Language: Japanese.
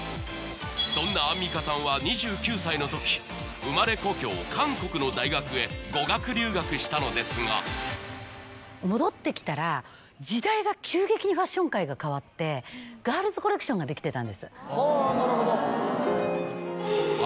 そんなアンミカさんは２９歳の時生まれ故郷・韓国の大学へ語学留学したのですが戻ってきたら時代が急激にファッション界が変わってはあ